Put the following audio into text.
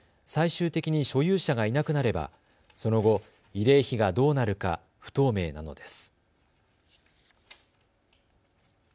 最終的に所有者がいなくなればその後、慰霊碑がどうなるか不透明なのです。